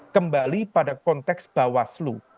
kembali pada konteks bawah slu